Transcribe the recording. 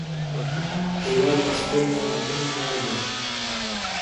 هېواد د شتو نعمتونو مور ده.